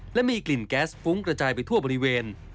และมีกลิ่นแก๊สฟุ้งกระจายไปทั่วบริเวณ